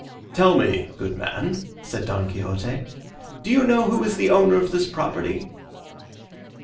"Tell me, good man," said Don Quixote, "do you know who is the owner of this property?"